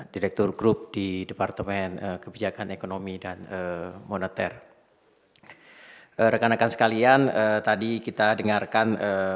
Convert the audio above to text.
direktur grup di departemen kebijakan ekonomi dan moneter rekan rekan sekalian tadi kita dengarkan